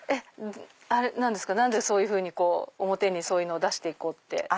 何でそういうふうに表にそういうのを出して行こうって？